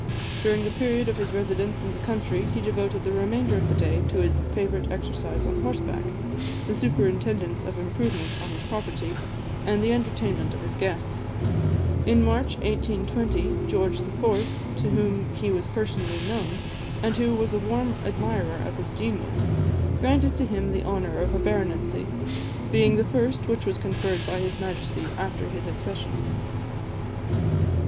During the period of his residence in the country, he devoted the remainder of the day to his favourite exercise on horseback, the superintendence of improvements on his property, and the entertainment of his guests. In March 1820, George IV., to whom he was personally known, and who was a warm admirer of his genius, granted to him the honour of a baronetcy, being the first which was conferred by his Majesty after his accession.